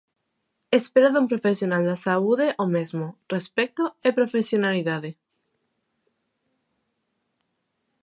Espero dun profesional da saúde o mesmo: respecto e profesionalidade.